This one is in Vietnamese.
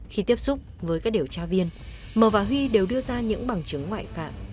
khi tiếp xúc với các điều tra viên mờ và huy đều đưa ra những bằng chứng ngoại phạm